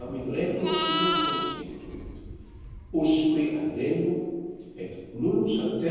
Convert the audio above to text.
Ill In regno suo constituit, Usque adeo, Ut nullus alter!